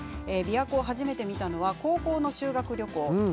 琵琶湖を初めて見たのは高校の修学旅行。